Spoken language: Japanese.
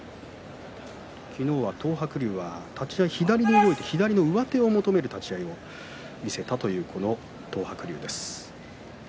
昨日東白龍は立ち合い左に動いて、左の上手を求める立ち合いを見せました。